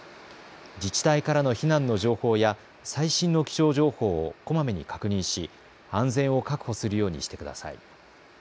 自治体からの避難の情報や最新の気象情報をこまめに確認し安全を確保するようにしてください。